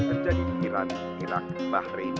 terjadi di iran irak bahrain